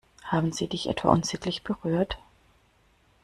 Haben sie sich etwa unsittlich berührt?